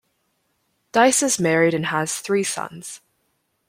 Deiss is married and has three sons.